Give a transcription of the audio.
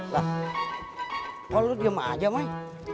lah kok lu diem aja mai